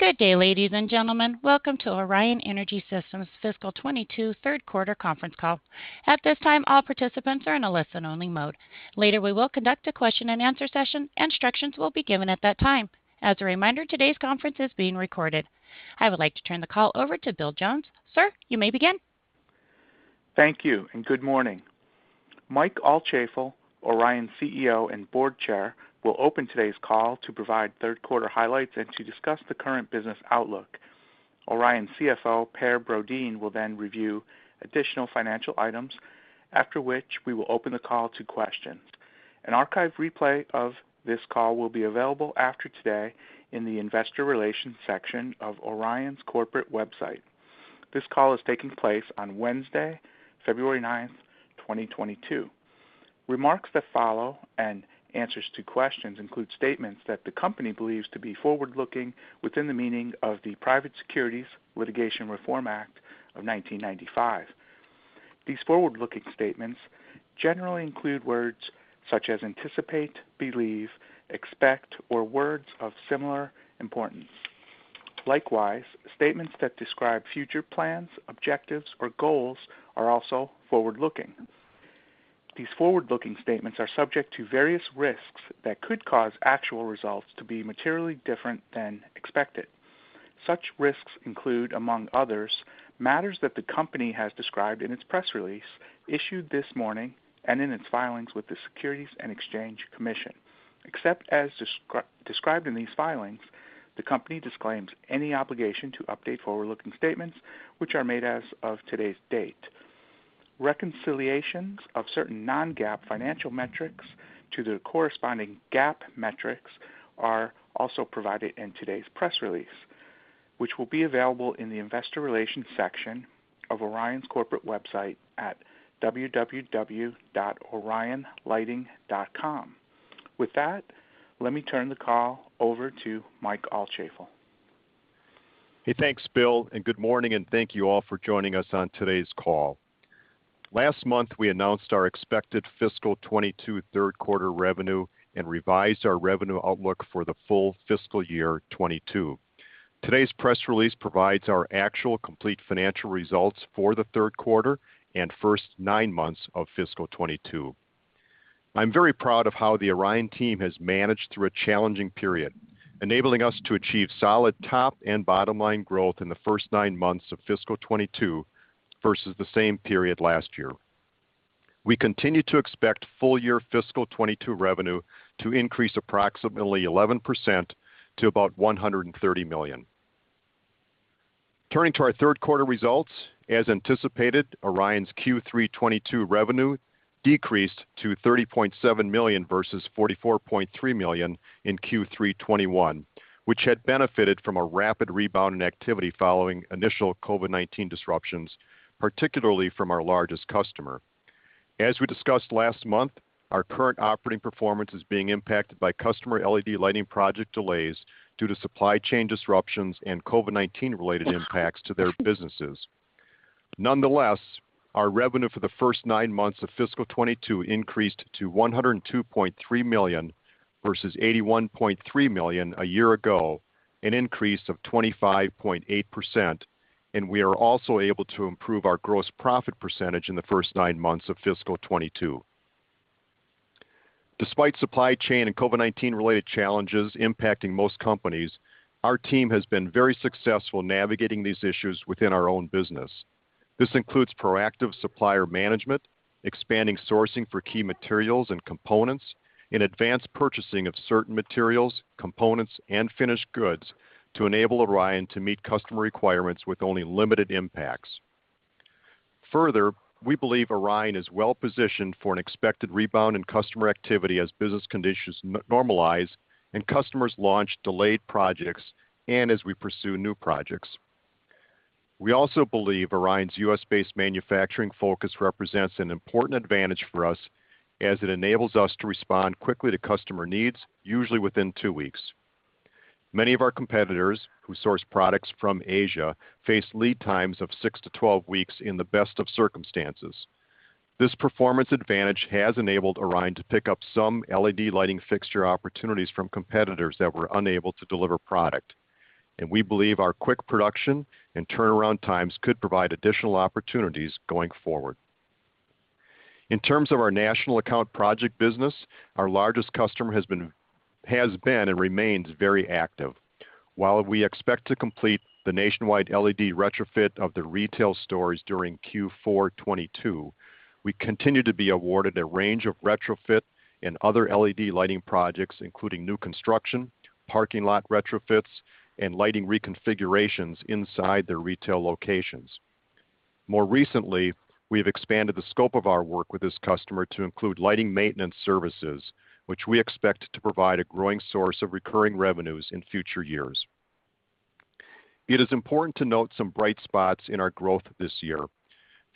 Good day, ladies and gentlemen. Welcome to Orion Energy Systems' Fiscal 2022 Third Quarter Conference Call. At this time, all participants are in a listen-only mode. Later, we will conduct a question-and-answer session. Instructions will be given at that time. As a reminder, today's conference is being recorded. I would like to turn the call over to Bill Jones. Sir, you may begin. Thank you and good morning. Mike Altschaefl, Orion CEO and Board Chair, will open today's call to provide third-quarter highlights and to discuss the current business outlook. Orion CFO Per Brodin will then review additional financial items, after which we will open the call to questions. An archive replay of this call will be available after today in the investor relations section of Orion's corporate website. This call is taking place on Wednesday, February ninth, twenty twenty-two. Remarks that follow and answers to questions include statements that the company believes to be forward-looking within the meaning of the Private Securities Litigation Reform Act of 1995. These forward-looking statements generally include words such as anticipate, believe, expect, or words of similar importance. Likewise, statements that describe future plans, objectives, or goals are also forward-looking. These forward-looking statements are subject to various risks that could cause actual results to be materially different than expected. Such risks include, among others, matters that the company has described in its press release issued this morning and in its filings with the Securities and Exchange Commission. Except as described in these filings, the company disclaims any obligation to update forward-looking statements, which are made as of today's date. Reconciliations of certain non-GAAP financial metrics to the corresponding GAAP metrics are also provided in today's press release, which will be available in the investor relations section of Orion's corporate website at www.orionlighting.com. With that, let me turn the call over to Mike Altschaefl. Hey, thanks, Bill, and good morning, and thank you all for joining us on today's call. Last month, we announced our expected fiscal 2022 third quarter revenue and revised our revenue outlook for the full fiscal year 2022. Today's press release provides our actual complete financial results for the third quarter and first 9 months of fiscal 2022. I'm very proud of how the Orion team has managed through a challenging period, enabling us to achieve solid top and bottom-line growth in the first 9 months of fiscal 2022 versus the same period last year. We continue to expect full year fiscal 2022 revenue to increase approximately 11% to about $130 million. Turning to our third quarter results, as anticipated, Orion's Q3 2022 revenue decreased to $30.7 million versus $44.3 million in Q3 2021, which had benefited from a rapid rebound in activity following initial COVID-19 disruptions, particularly from our largest customer. As we discussed last month, our current operating performance is being impacted by customer LED lighting project delays due to supply chain disruptions and COVID-19-related impacts to their businesses. Nonetheless, our revenue for the first 9 months of fiscal 2022 increased to $102.3 million versus $81.3 million a year ago, an increase of 25.8%, and we are also able to improve our gross profit percentage in the first 9 months of fiscal 2022. Despite supply chain and COVID-19-related challenges impacting most companies, our team has been very successful navigating these issues within our own business. This includes proactive supplier management, expanding sourcing for key materials and components, and advanced purchasing of certain materials, components, and finished goods to enable Orion to meet customer requirements with only limited impacts. Further, we believe Orion is well-positioned for an expected rebound in customer activity as business conditions normalize and customers launch delayed projects and as we pursue new projects. We also believe Orion's U.S.-based manufacturing focus represents an important advantage for us as it enables us to respond quickly to customer needs, usually within 2 weeks. Many of our competitors who source products from Asia face lead times of 6-12 weeks in the best of circumstances. This performance advantage has enabled Orion to pick up some LED lighting fixture opportunities from competitors that were unable to deliver product, and we believe our quick production and turnaround times could provide additional opportunities going forward. In terms of our national account project business, our largest customer has been and remains very active. While we expect to complete the nationwide LED retrofit of their retail stores during Q4 2022, we continue to be awarded a range of retrofit and other LED lighting projects, including new construction, parking lot retrofits, and lighting reconfigurations inside their retail locations. More recently, we've expanded the scope of our work with this customer to include lighting maintenance services, which we expect to provide a growing source of recurring revenues in future years. It is important to note some bright spots in our growth this year.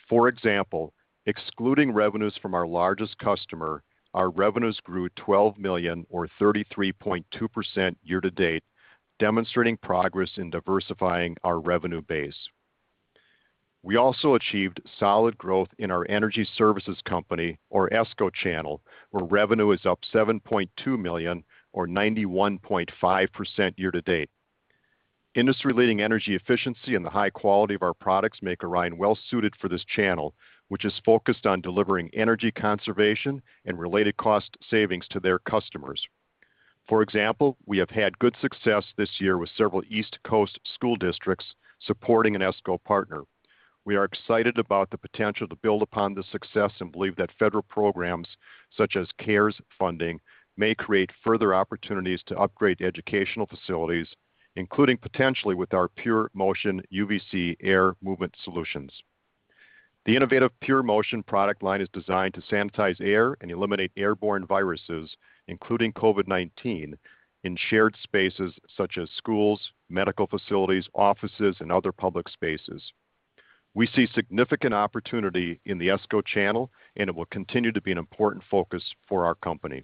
For example, excluding revenues from our largest customer, our revenues grew $12 million or 33.2% year-to-date, demonstrating progress in diversifying our revenue base. We also achieved solid growth in our energy services company or ESCO channel, where revenue is up $7.2 million or 91.5% year-to-date. Industry-leading energy efficiency and the high quality of our products make Orion well suited for this channel, which is focused on delivering energy conservation and related cost savings to their customers. For example, we have had good success this year with several East Coast school districts supporting an ESCO partner. We are excited about the potential to build upon this success and believe that federal programs such as CARES funding may create further opportunities to upgrade educational facilities, including potentially with our PureMotion UVC air movement solutions. The innovative PureMotion product line is designed to sanitize air and eliminate airborne viruses, including COVID-19, in shared spaces such as schools, medical facilities, offices, and other public spaces. We see significant opportunity in the ESCO channel, and it will continue to be an important focus for our company.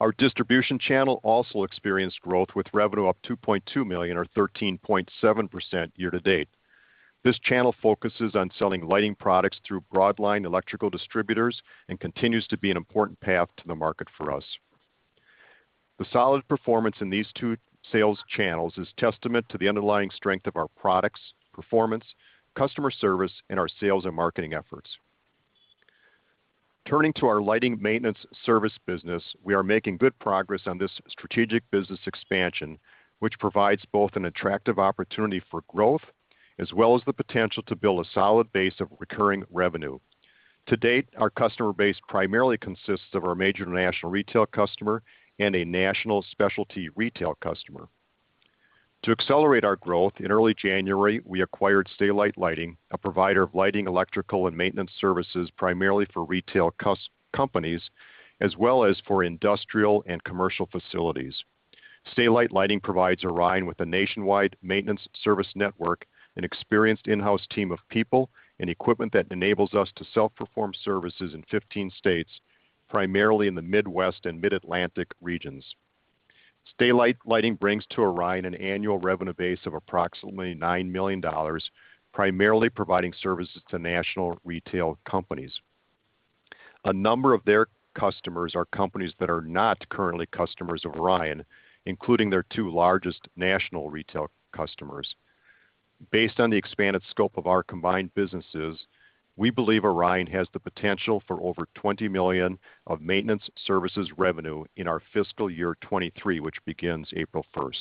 Our distribution channel also experienced growth, with revenue up $2.2 million or 13.7% year-to-date. This channel focuses on selling lighting products through broadline electrical distributors and continues to be an important path to the market for us. The solid performance in these two sales channels is testament to the underlying strength of our products, performance, customer service, and our sales and marketing efforts. Turning to our lighting maintenance service business, we are making good progress on this strategic business expansion, which provides both an attractive opportunity for growth as well as the potential to build a solid base of recurring revenue. To date, our customer base primarily consists of our major national retail customer and a national specialty retail customer. To accelerate our growth, in early January, we acquired Stay-Lite Lighting, a provider of lighting, electrical, and maintenance services primarily for retail companies, as well as for industrial and commercial facilities. Stay-Lite Lighting provides Orion with a nationwide maintenance service network, an experienced in-house team of people, and equipment that enables us to self-perform services in 15 states, primarily in the Midwest and Mid-Atlantic regions. Stay-Lite Lighting brings to Orion an annual revenue base of approximately $9 million, primarily providing services to national retail companies. A number of their customers are companies that are not currently customers of Orion, including their two largest national retail customers. Based on the expanded scope of our combined businesses, we believe Orion has the potential for over $20 million of maintenance services revenue in our fiscal year 2023, which begins April 1.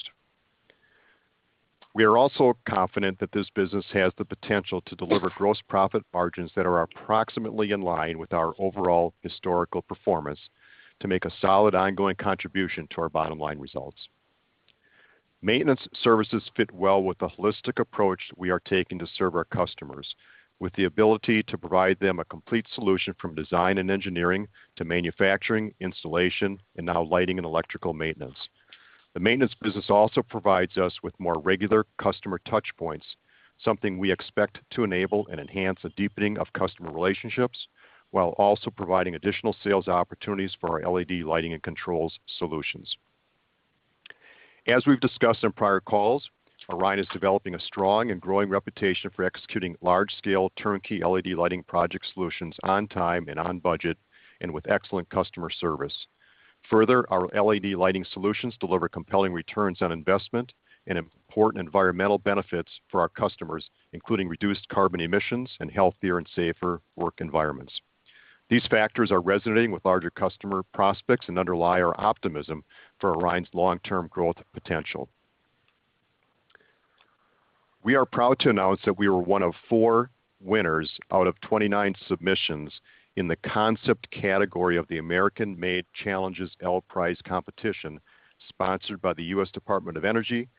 We are also confident that this business has the potential to deliver gross profit margins that are approximately in line with our overall historical performance to make a solid ongoing contribution to our bottom-line results. Maintenance services fit well with the holistic approach we are taking to serve our customers, with the ability to provide them a complete solution from design and engineering to manufacturing, installation, and now lighting and electrical maintenance. The maintenance business also provides us with more regular customer touch points, something we expect to enable and enhance a deepening of customer relationships while also providing additional sales opportunities for our LED lighting and controls solutions. As we've discussed on prior calls, Orion is developing a strong and growing reputation for executing large-scale turnkey LED lighting project solutions on time and on budget and with excellent customer service. Further, our LED lighting solutions deliver compelling returns on investment and important environmental benefits for our customers, including reduced carbon emissions and healthier and safer work environments. These factors are resonating with larger customer prospects and underlie our optimism for Orion's long-term growth potential. We are proud to announce that we were one of four winners out of 29 submissions in the concept category of the American-Made Challenges L-Prize competition, sponsored by the U.S. Department of Energy,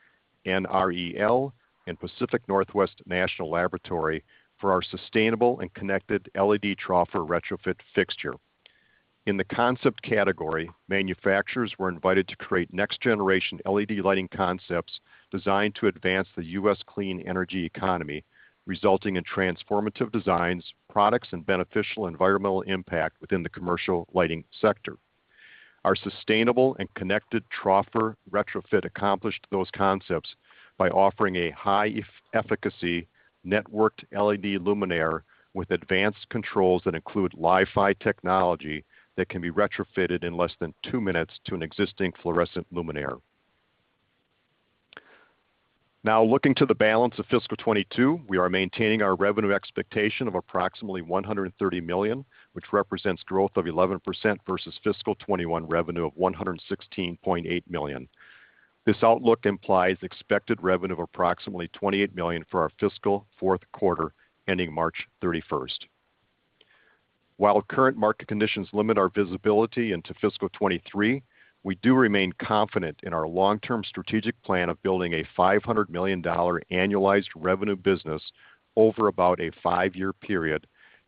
NREL, and Pacific Northwest National Laboratory for our sustainable and connected LED troffer retrofit fixture. In the concept category, manufacturers were invited to create next-generation LED lighting concepts designed to advance the U.S. clean energy economy, resulting in transformative designs, products, and beneficial environmental impact within the commercial lighting sector. Our sustainable and connected troffer retrofit accomplished those concepts by offering a high efficacy networked LED luminaire with advanced controls that include Li-Fi technology that can be retrofitted in less than 2 minutes to an existing fluorescent luminaire. Now, looking to the balance of fiscal 2022, we are maintaining our revenue expectation of approximately $130 million, which represents growth of 11% versus fiscal 2021 revenue of $116.8 million. This outlook implies expected revenue of approximately $28 million for our fiscal fourth quarter ending March 31. While current market conditions limit our visibility into fiscal 2023, we do remain confident in our long-term strategic plan of building a $500 million annualized revenue business over about a 5-year period,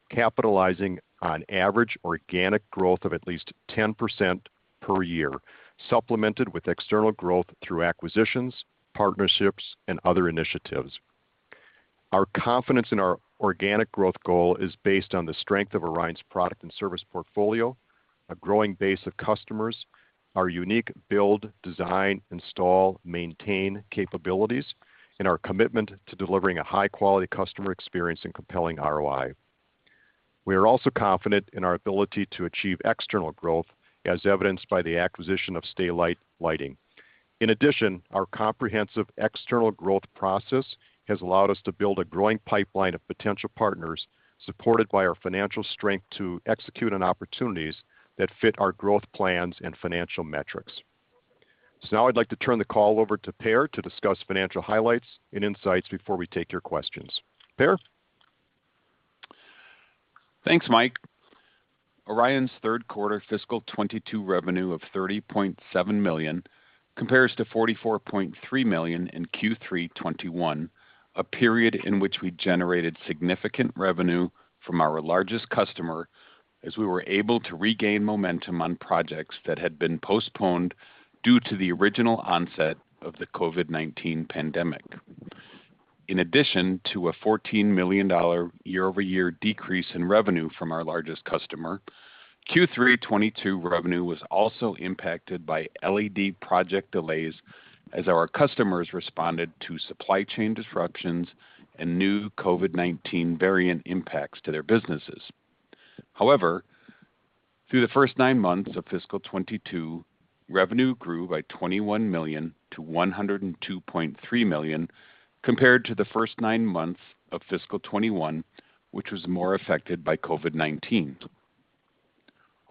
capitalizing on average organic growth of at least 10% per year, supplemented with external growth through acquisitions, partnerships, and other initiatives. Our confidence in our organic growth goal is based on the strength of Orion's product and service portfolio. A growing base of customers, our unique build, design, install, maintain capabilities, and our commitment to delivering a high-quality customer experience and compelling ROI. We are also confident in our ability to achieve external growth, as evidenced by the acquisition of Stay-Lite Lighting. In addition, our comprehensive external growth process has allowed us to build a growing pipeline of potential partners, supported by our financial strength to execute on opportunities that fit our growth plans and financial metrics. Now I'd like to turn the call over to Per to discuss financial highlights and insights before we take your questions. Per? Thanks, Mike. Orion's third quarter fiscal 2022 revenue of $30.7 million compares to $44.3 million in Q3 2021, a period in which we generated significant revenue from our largest customer as we were able to regain momentum on projects that had been postponed due to the original onset of the COVID-19 pandemic. In addition to a $14 million year-over-year decrease in revenue from our largest customer, Q3 2022 revenue was also impacted by LED project delays as our customers responded to supply chain disruptions and new COVID-19 variant impacts to their businesses. However, through the first 9 months of fiscal 2022, revenue grew by $21 million to $102.3 million, compared to the first 9 months of fiscal 2021, which was more affected by COVID-19.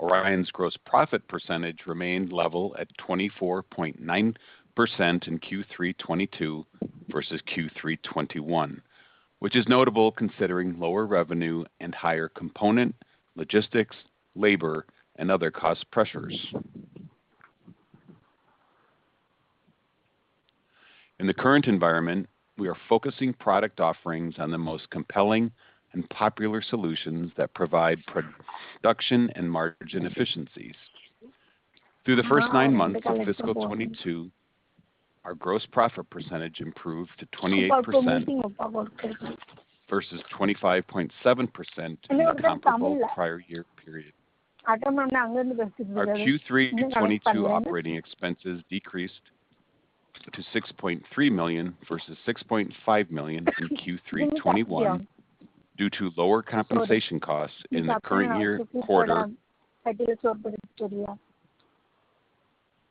Orion's gross profit percentage remained level at 24.9% in Q3 2022 versus Q3 2021, which is notable considering lower revenue and higher component, logistics, labor, and other cost pressures. In the current environment, we are focusing product offerings on the most compelling and popular solutions that provide production and margin efficiencies. Through the first 9 months of fiscal 2022, our gross profit percentage improved to 28% versus 25.7% in the comparable prior year period. Our Q3 2022 operating expenses decreased to $6.3 million versus $6.5 million in Q3 2021 due to lower compensation costs in the current year quarter,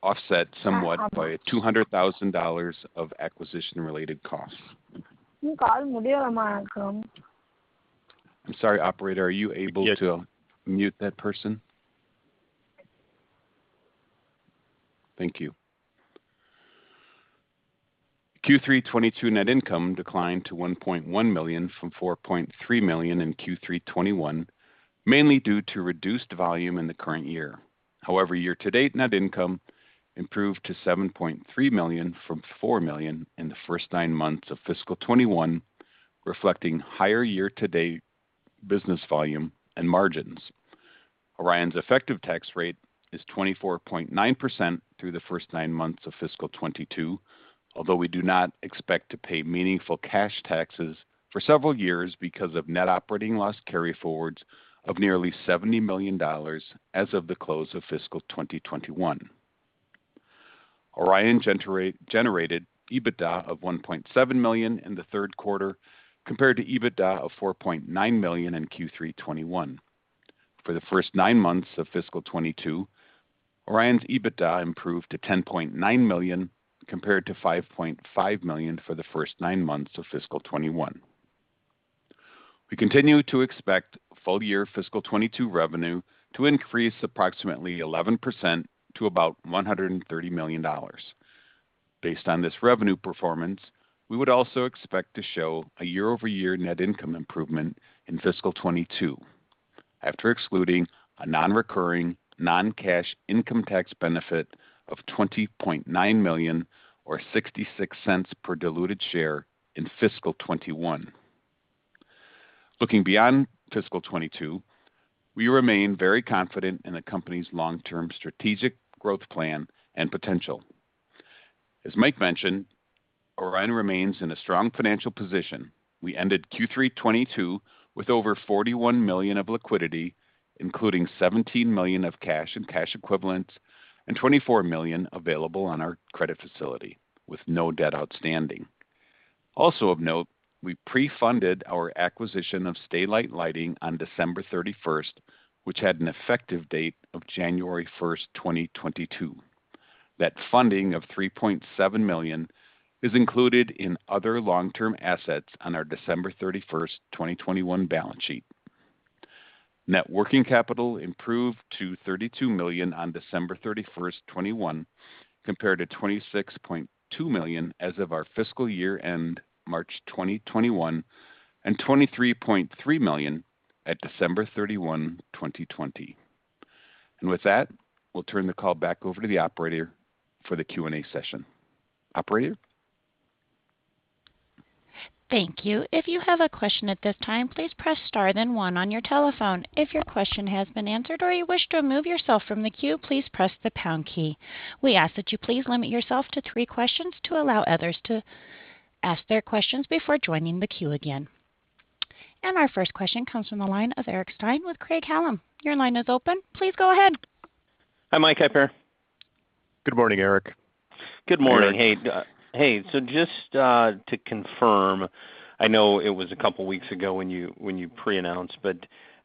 offset somewhat by $200,000 of acquisition-related costs. I'm sorry, operator, are you able to mute that person? Thank you. Q3 2022 net income declined to $1.1 million from $4.3 million in Q3 2021, mainly due to reduced volume in the current year. However, year-to-date net income improved to $7.3 million from $4 million in the first 9 months of fiscal 2021, reflecting higher year-to-date business volume and margins. Orion's effective tax rate is 24.9% through the first 9 months of fiscal 2022, although we do not expect to pay meaningful cash taxes for several years because of net operating loss carryforwards of nearly $70 million as of the close of fiscal 2021. Orion generated EBITDA of $1.7 million in the third quarter, compared to EBITDA of $4.9 million in Q3 2021. For the first 9 months of fiscal 2022, Orion's EBITDA improved to $10.9 million, compared to $5.5 million for the first 9 months of fiscal 2021. We continue to expect full-year fiscal 2022 revenue to increase approximately 11% to about $130 million. Based on this revenue performance, we would also expect to show a year-over-year net income improvement in fiscal 2022 after excluding a non-recurring, non-cash income tax benefit of $20.9 million or $0.66 per diluted share in fiscal 2021. Looking beyond fiscal 2022, we remain very confident in the company's long-term strategic growth plan and potential. As Mike mentioned, Orion remains in a strong financial position. We ended Q3 2022 with over $41 million of liquidity, including $17 million of cash and cash equivalents and $24 million available on our credit facility with no debt outstanding. Also of note, we pre-funded our acquisition of Stay-Lite Lighting on December 31, which had an effective date of January 1, 2022. That funding of $3.7 million is included in other long-term assets on our December 31, 2021 balance sheet. Net working capital improved to $32 million on December 31, 2021, compared to $26.2 million as of our fiscal year end March 2021 and $23.3 million at December 31, 2020. With that, we'll turn the call back over to the operator for the Q&A session. Operator? Thank you. If you have a question at this time, please press star then one on your telephone. If your question has been answered or you wish to remove yourself from the queue, please press the pound key. We ask that you please limit yourself to three questions to allow others to ask their questions before joining the queue again. Our first question comes from the line of Eric Stine with Craig-Hallum. Your line is open. Please go ahead. Hi Mike, hi Per. Good morning, Eric. Good morning. Hey, hey, so just to confirm, I know it was a couple weeks ago when you pre-announced, but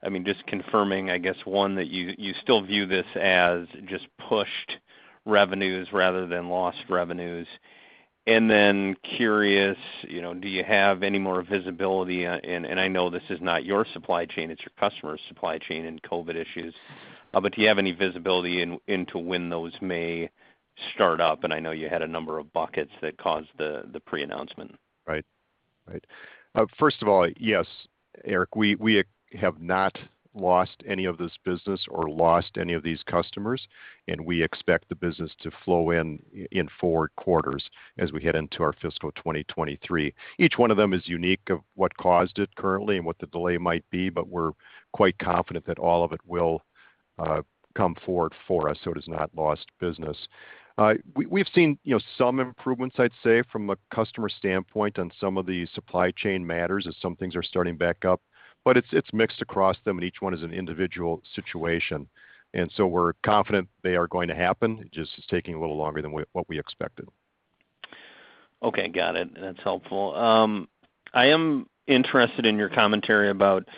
I mean, just confirming, I guess, one, that you still view this as just pushed revenues rather than lost revenues. Curious, you know, do you have any more visibility, and I know this is not your supply chain, it's your customer's supply chain and COVID issues, but do you have any visibility into when those may start up? I know you had a number of buckets that caused the pre-announcement. Right. First of all, yes, Eric, we have not lost any of this business or lost any of these customers, and we expect the business to flow in four quarters as we head into our fiscal 2023. Each one of them is unique of what caused it currently and what the delay might be, but we're quite confident that all of it will come forward for us, so it is not lost business. We've seen, you know, some improvements, I'd say, from a customer standpoint on some of the supply chain matters as some things are starting back up, but it's mixed across them, and each one is an individual situation. We're confident they are going to happen. It just is taking a little longer than we expected. Okay. Got it. That's helpful. I am interested in your commentary about,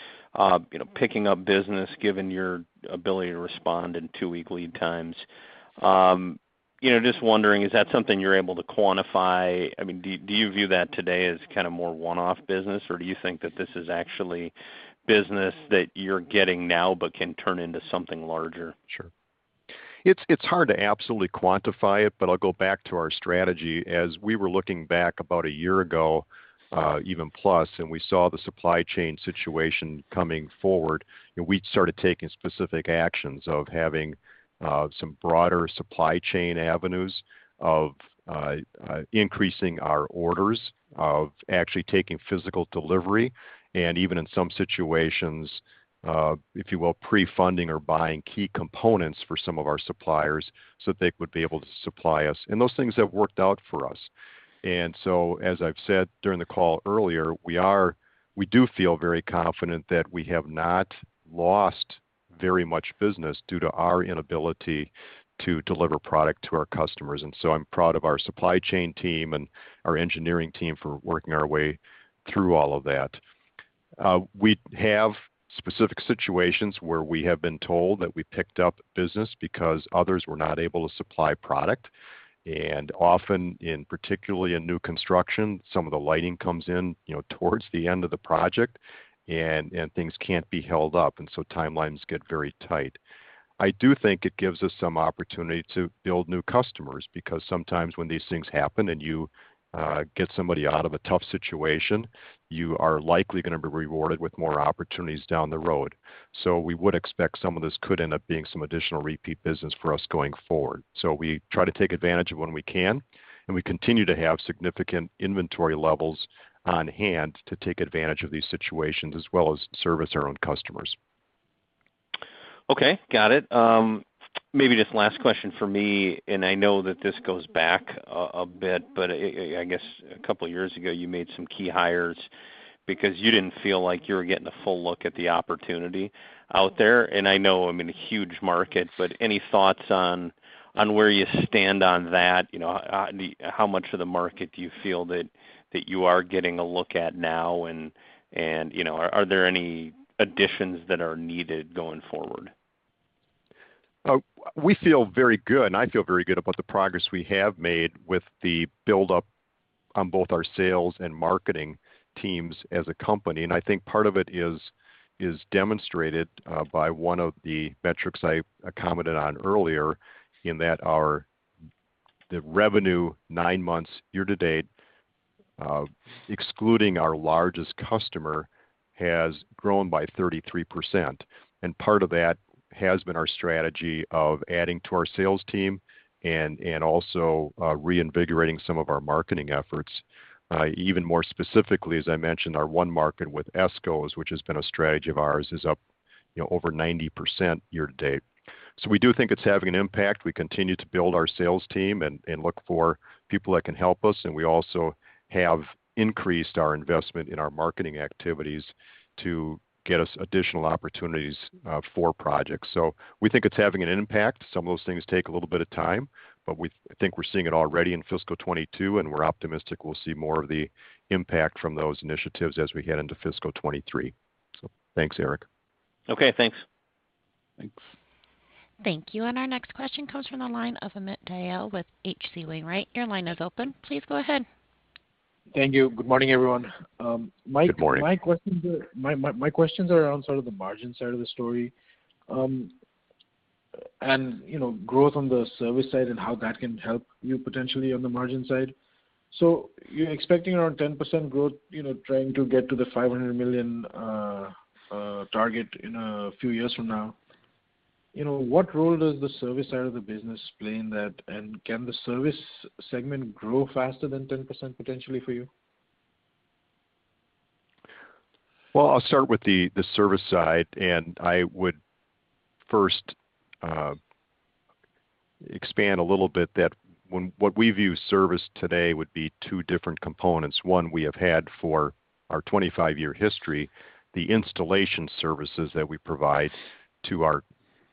you know, picking up business, given your ability to respond in 2 week lead times. You know, just wondering, is that something you're able to quantify? I mean, do you view that today as kinda more one-off business, or do you think that this is actually business that you're getting now but can turn into something larger? It's hard to absolutely quantify it, but I'll go back to our strategy. As we were looking back about a year ago, even plus, and we saw the supply chain situation coming forward, and we'd started taking specific actions of having some broader supply chain avenues of increasing our orders, of actually taking physical delivery, and even in some situations, if you will, pre-funding or buying key components for some of our suppliers so that they would be able to supply us. Those things have worked out for us. As I've said during the call earlier, we do feel very confident that we have not lost very much business due to our inability to deliver product to our customers. I'm proud of our supply chain team and our engineering team for working our way through all of that. We have specific situations where we have been told that we picked up business because others were not able to supply product. Often, in particularly in new construction, some of the lighting comes in, you know, towards the end of the project and things can't be held up, and so timelines get very tight. I do think it gives us some opportunity to build new customers because sometimes when these things happen and you get somebody out of a tough situation, you are likely gonna be rewarded with more opportunities down the road. We would expect some of this could end up being some additional repeat business for us going forward. We try to take advantage of when we can, and we continue to have significant inventory levels on hand to take advantage of these situations as well as service our own customers. Okay. Got it. Maybe just last question from me, and I know that this goes back a bit, but I guess a couple years ago, you made some key hires because you didn't feel like you were getting a full look at the opportunity out there. I know, I mean, huge market, but any thoughts on where you stand on that? You know, how much of the market do you feel that you are getting a look at now? You know, are there any additions that are needed going forward? We feel very good, and I feel very good about the progress we have made with the buildup on both our sales and marketing teams as a company. I think part of it is demonstrated by one of the metrics I commented on earlier in that our revenue 9 months year to date, excluding our largest customer, has grown by 33%. Part of that has been our strategy of adding to our sales team and also reinvigorating some of our marketing efforts. Even more specifically, as I mentioned, our ESCO market, which has been a strategy of ours, is up, you know, over 90% year-to-date. We do think it's having an impact. We continue to build our sales team and look for people that can help us, and we also have increased our investment in our marketing activities to get us additional opportunities for projects. We think it's having an impact. Some of those things take a little bit of time, but I think we're seeing it already in fiscal 2022, and we're optimistic we'll see more of the impact from those initiatives as we head into fiscal 2023. Thanks, Eric. Okay, thanks. Thanks. Thank you. Our next question comes from the line of Amit Dayal with H.C. Wainwright. Your line is open. Please go ahead. Thank you. Good morning, everyone. Good morning. My questions are around sort of the margin side of the story, and, you know, growth on the service side and how that can help you potentially on the margin side. You're expecting around 10% growth, you know, trying to get to the $500 million target in a few years from now. You know, what role does the service side of the business play in that? Can the service segment grow faster than 10% potentially for you? Well, I'll start with the service side, and I would first expand a little bit that what we view service today would be two different components. One, we have had for our 25-year history, the installation services that we provide to our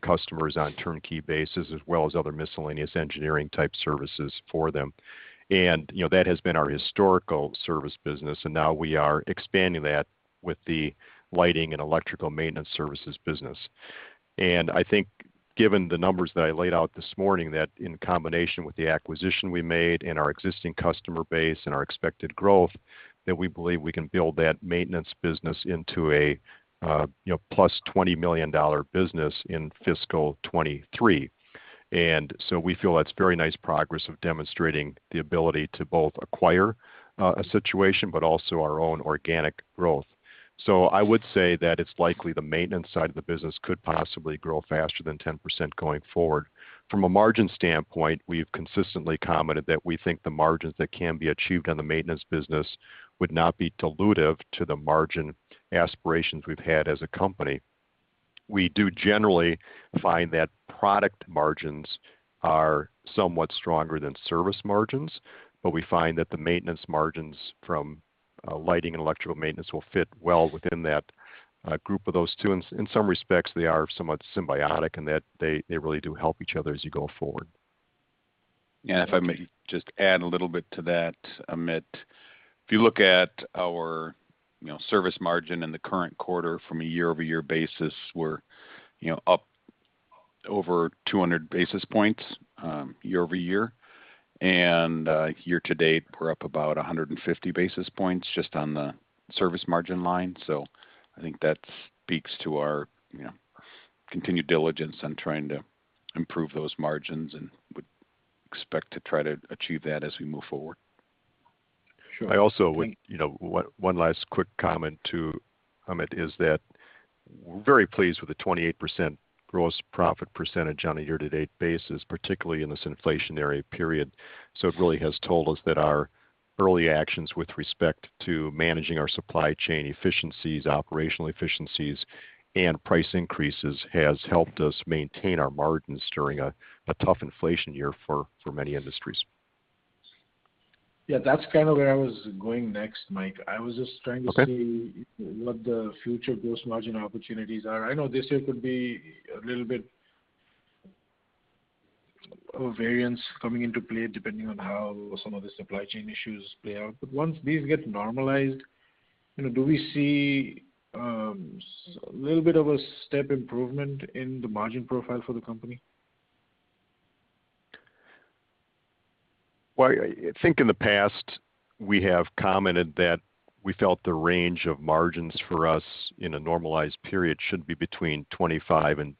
customers on turnkey basis as well as other miscellaneous engineering type services for them. You know, that has been our historical service business, and now we are expanding that with the lighting and electrical maintenance services business. I think given the numbers that I laid out this morning, that in combination with the acquisition we made in our existing customer base and our expected growth, that we believe we can build that maintenance business into a, you know, plus $20 million business in fiscal 2023. We feel that's very nice progress of demonstrating the ability to both acquire a situation but also our own organic growth. I would say that it's likely the maintenance side of the business could possibly grow faster than 10% going forward. From a margin standpoint, we've consistently commented that we think the margins that can be achieved on the maintenance business would not be dilutive to the margin aspirations we've had as a company. We do generally find that product margins are somewhat stronger than service margins, but we find that the maintenance margins from lighting and electrical maintenance will fit well within that group of those two. In some respects, they are somewhat symbiotic in that they really do help each other as you go forward. If I may just add a little bit to that, Amit. If you look at our, you know, service margin in the current quarter from a year-over-year basis, we're, you know, up over 200 basis points year-over-year. Year-to-date, we're up about 150 basis points just on the service margin line. I think that speaks to our, you know, continued diligence on trying to improve those margins and would expect to try to achieve that as we move forward. Sure. I also, you know, one last quick comment to Amit is that we're very pleased with the 28% gross profit percentage on a year-to-date basis, particularly in this inflationary period. It really has told us that our early actions with respect to managing our supply chain efficiencies, operational efficiencies, and price increases has helped us maintain our margins during a tough inflation year for many industries. Yeah, that's kind of where I was going next, Mike. I was just trying to see. Okay. What the future gross margin opportunities are. I know this year could be a little bit of variance coming into play depending on how some of the supply chain issues play out. Once these get normalized, you know, do we see a little bit of a step improvement in the margin profile for the company? Well, I think in the past, we have commented that we felt the range of margins for us in a normalized period should be between 25% and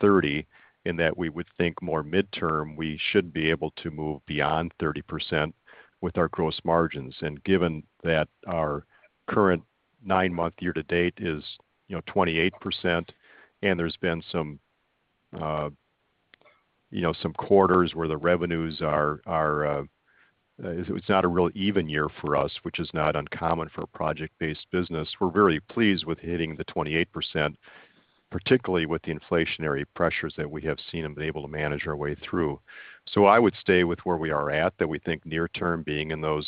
30, in that we would think more midterm, we should be able to move beyond 30% with our gross margins. Given that our current nine-month year to date is, you know, 28%, and there's been some, you know, some quarters where the revenues are. It's not a real even year for us, which is not uncommon for a project-based business. We're very pleased with hitting the 28%, particularly with the inflationary pressures that we have seen and been able to manage our way through. I would stay with where we are at, that we think near term being in those,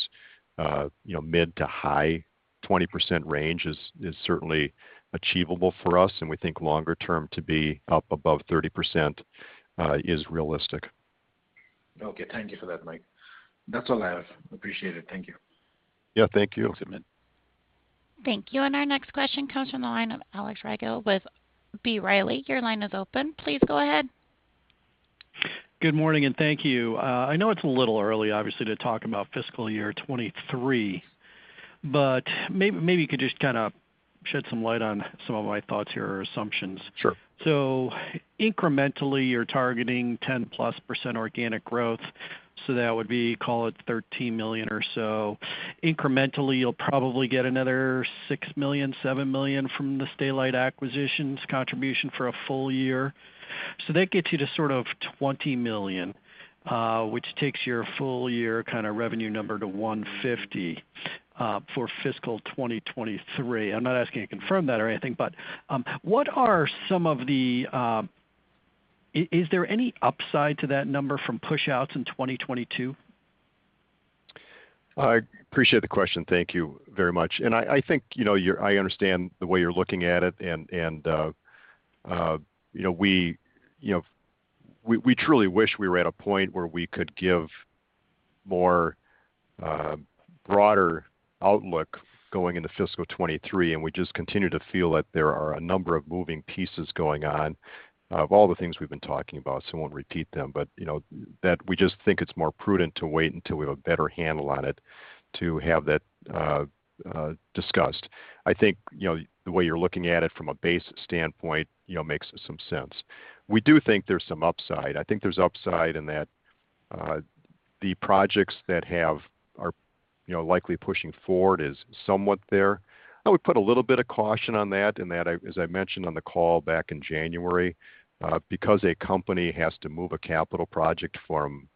you know, mid- to high-20% range is certainly achievable for us, and we think longer term to be up above 30% is realistic. Okay, thank you for that, Mike. That's all I have. Appreciate it. Thank you. Yeah, thank you. Thanks, Amit. Thank you. Our next question comes from the line of Alex Rygiel with B. Riley Securities. Your line is open. Please go ahead. Good morning, and thank you. I know it's a little early, obviously, to talk about fiscal year 2023, but maybe you could just kind of shed some light on some of my thoughts here or assumptions. Sure. Incrementally, you're targeting 10%+ organic growth. That would be, call it $13 million or so. Incrementally, you'll probably get another $6 million-$7 million from the Stay-Lite acquisition's contribution for a full year. That gets you to sort of $20 million, which takes your full year kind of revenue number to $150 million for fiscal 2023. I'm not asking you to confirm that or anything, but what are some of the... Is there any upside to that number from push outs in 2022? I appreciate the question. Thank you very much. I think, you know, I understand the way you're looking at it and you know, we truly wish we were at a point where we could give a broader outlook going into fiscal 2023, and we just continue to feel that there are a number of moving pieces going on. Of all the things we've been talking about, so I won't repeat them, but you know, that we just think it's more prudent to wait until we have a better handle on it to have that discussed. I think, you know, the way you're looking at it from a base standpoint, you know, makes some sense. We do think there's some upside. I think there's upside in that, the projects that, you know, likely pushing forward is somewhat there. I would put a little bit of caution on that, in that, as I mentioned on the call back in January, because a company has to move a capital project from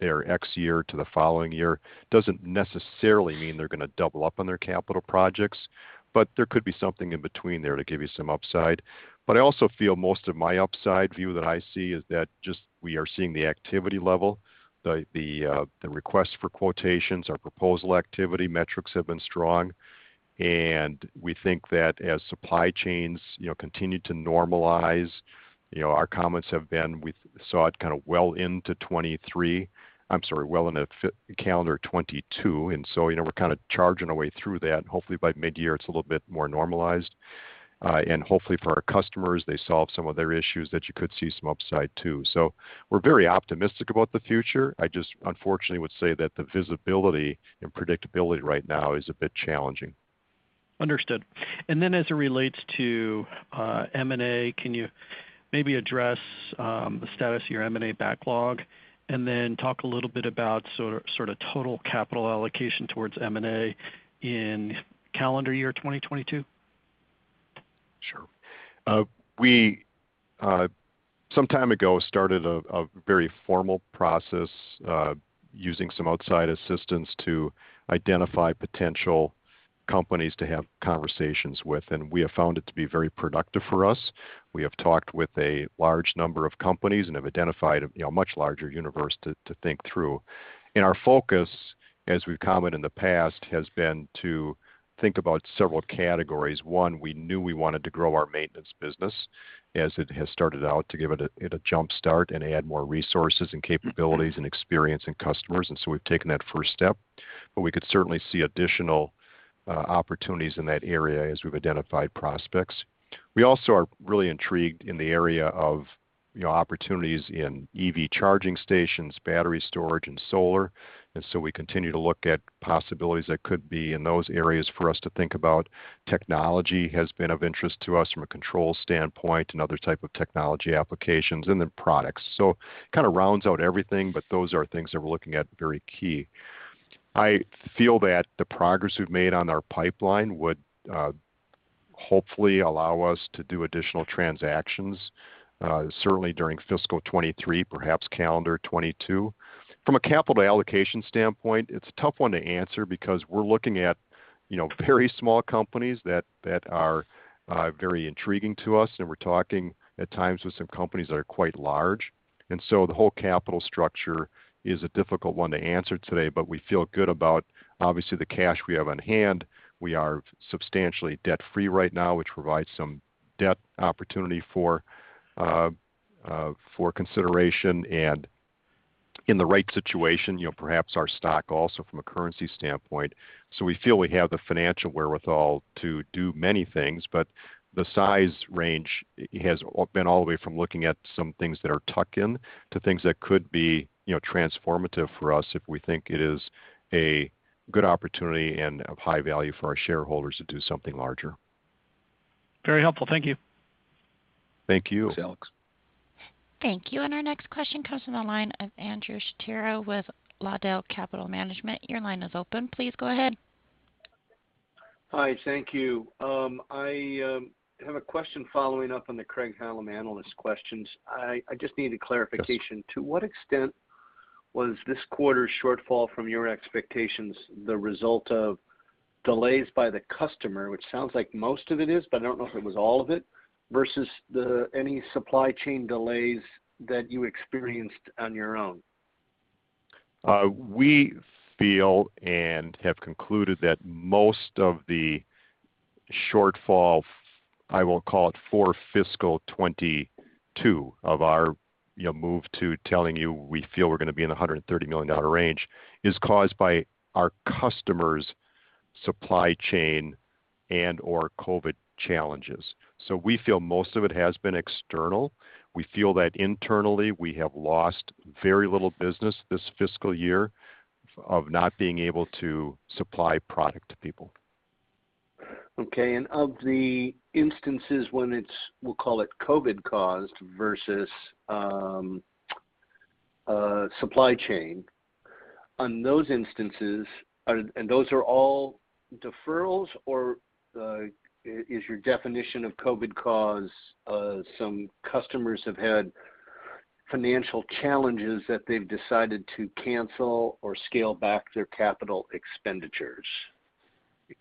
their fiscal year to the following year doesn't necessarily mean they're gonna double up on their capital projects, but there could be something in between there to give you some upside. I also feel most of my upside view that I see is that just we are seeing the activity level, the request for quotations, our proposal activity metrics have been strong. We think that as supply chains, you know, continue to normalize, you know, our comments have been we saw it kind of well into calendar 2022. You know, we're kind of charging our way through that. Hopefully, by midyear it's a little bit more normalized. Hopefully for our customers, they solve some of their issues that you could see some upside too. We're very optimistic about the future. I just unfortunately would say that the visibility and predictability right now is a bit challenging. Understood. As it relates to M&A, can you maybe address the status of your M&A backlog? Talk a little bit about sort of total capital allocation towards M&A in calendar year 2022? Sure. We some time ago started a very formal process using some outside assistance to identify potential companies to have conversations with, and we have found it to be very productive for us. We have talked with a large number of companies and have identified a much larger universe, you know, to think through. Our focus, as we've commented in the past, has been to think about several categories. One, we knew we wanted to grow our maintenance business as it has started out to give it a jump start and add more resources and capabilities and experience and customers, and so we've taken that first step. We could certainly see additional opportunities in that area as we've identified prospects. We also are really intrigued in the area of opportunities, you know, in EV charging stations, battery storage, and solar. We continue to look at possibilities that could be in those areas for us to think about. Technology has been of interest to us from a control standpoint and other type of technology applications and the products. Kind of rounds out everything, but those are things that we're looking at very key. I feel that the progress we've made on our pipeline would hopefully allow us to do additional transactions certainly during fiscal 2023, perhaps calendar 2022. From a capital allocation standpoint, it's a tough one to answer because we're looking at, you know, very small companies that are very intriguing to us, and we're talking at times with some companies that are quite large. The whole capital structure is a difficult one to answer today, but we feel good about obviously the cash we have on hand. We are substantially debt-free right now, which provides some debt opportunity for consideration and in the right situation, you know, perhaps our stock also from a currency standpoint. We feel we have the financial wherewithal to do many things, but the size range has been all the way from looking at some things that are tuck-in to things that could be, you know, transformative for us if we think it is a good opportunity and of high value for our shareholders to do something larger. Very helpful. Thank you. Thank you. Thanks, Alex. Thank you. Our next question comes from the line of Andrew Shapiro with Lawndale Capital Management. Your line is open. Please go ahead. Hi. Thank you. I have a question following up on the Craig-Hallum analyst questions. I just need a clarification. Yes. To what extent was this quarter's shortfall from your expectations the result of delays by the customer, which sounds like most of it is, but I don't know if it was all of it, versus any supply chain delays that you experienced on your own? We feel and have concluded that most of the shortfall, I will call it, for fiscal 2022 of our... you know, I'm going to tell you we feel we're gonna be in the $130 million range, is caused by our customers' supply chain and/or COVID challenges. We feel most of it has been external. We feel that internally we have lost very little business this fiscal year of not being able to supply product to people. Okay. Of the instances when it's, we'll call it COVID-caused versus supply chain, on those instances, are those all deferrals or is your definition of COVID cause some customers have had financial challenges that they've decided to cancel or scale back their capital expenditures?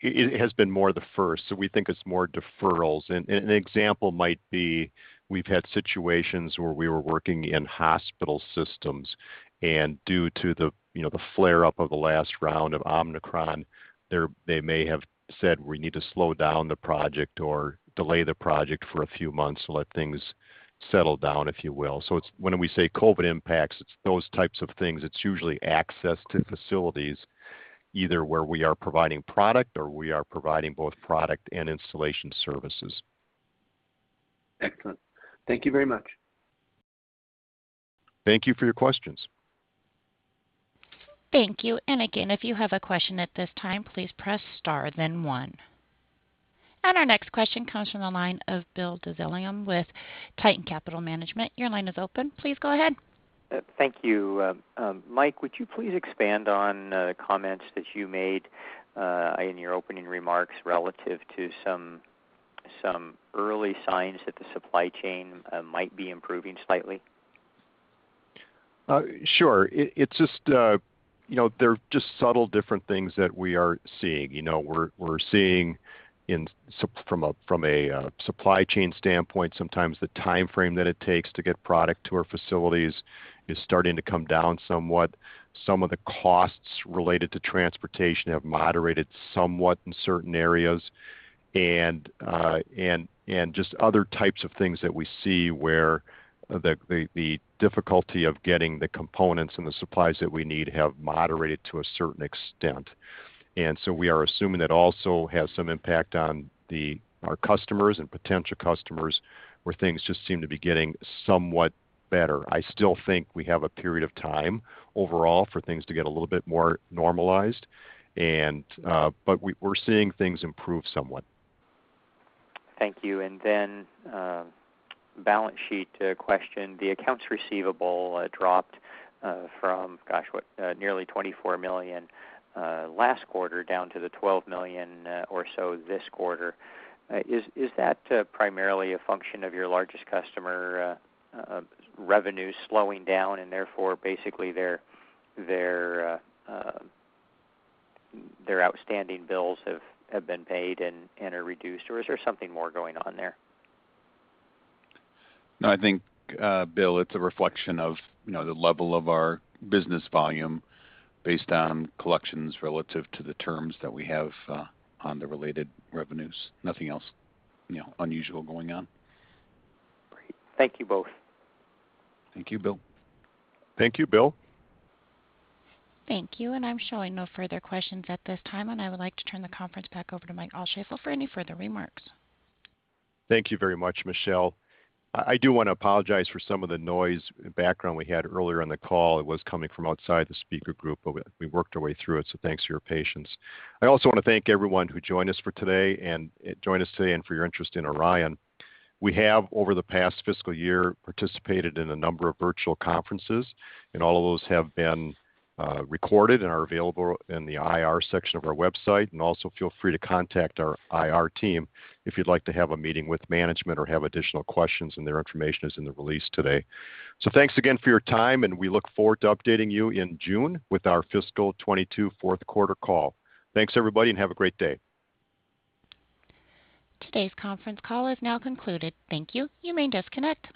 It has been more of the first. We think it's more deferrals. An example might be, we've had situations where we were working in hospital systems, and due to the, you know, the flare up of the last round of Omicron, they may have said, "We need to slow down the project or delay the project for a few months to let things settle down," if you will. It's when we say COVID impacts, it's those types of things. It's usually access to facilities, either where we are providing product or we are providing both product and installation services. Excellent. Thank you very much. Thank you for your questions. Thank you. Again, if you have a question at this time, please press star then one. Our next question comes from the line of Bill Dezellem with Tieton Capital Management. Your line is open. Please go ahead. Thank you. Mike, would you please expand on comments that you made in your opening remarks relative to some early signs that the supply chain might be improving slightly? Sure. It's just, you know, there are just subtle, different things that we are seeing. You know, we're seeing. So from a supply chain standpoint, sometimes the timeframe that it takes to get product to our facilities is starting to come down somewhat. Some of the costs related to transportation have moderated somewhat in certain areas. And just other types of things that we see where the difficulty of getting the components and the supplies that we need have moderated to a certain extent. We are assuming that also has some impact on our customers and potential customers, where things just seem to be getting somewhat better. I still think we have a period of time overall for things to get a little bit more normalized, but we're seeing things improve somewhat. Thank you. Balance sheet question. The accounts receivable dropped from, gosh, what, nearly $24 million last quarter down to the $12 million or so this quarter. Is that primarily a function of your largest customer revenue slowing down and therefore basically their outstanding bills have been paid and are reduced, or is there something more going on there? No, I think, Bill, it's a reflection of, you know, the level of our business volume based on collections relative to the terms that we have on the related revenues. Nothing else, you know, unusual going on. Great. Thank you both. Thank you, Bill. Thank you, Bill. Thank you. I'm showing no further questions at this time, and I would like to turn the conference back over to Mike Altschaefl for any further remarks. Thank you very much, Michelle. I do wanna apologize for some of the noise in the background we had earlier in the call. It was coming from outside the speaker group, but we worked our way through it, so thanks for your patience. I also wanna thank everyone who joined us today and for your interest in Orion. We have, over the past fiscal year, participated in a number of virtual conferences, and all of those have been recorded and are available in the IR section of our website. Also feel free to contact our IR team if you'd like to have a meeting with management or have additional questions, and their information is in the release today. Thanks again for your time, and we look forward to updating you in June with our fiscal 2022 fourth quarter call. Thanks, everybody, and have a great day. Today's conference call has now concluded. Thank you. You may disconnect.